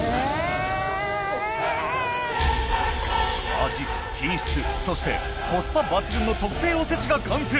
味品質そしてコスパ抜群の特製おせちが完成！